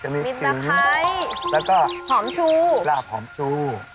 มีตะไคร้แล้วก็หอมชูลาบหอมชู